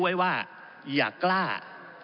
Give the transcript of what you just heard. ก็ได้มีการอภิปรายในภาคของท่านประธานที่กรกครับ